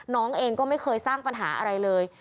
น้องเองก็ไม่เคยสร้างปัญหาอะไรเลย